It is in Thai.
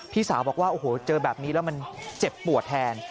พี่สาวบอกว่าโอ้โหเจอแบบนี้แล้วมันเจ็บปวดแทน